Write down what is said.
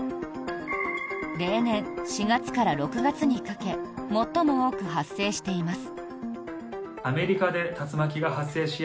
例年、４月から６月にかけ最も多く発生しています。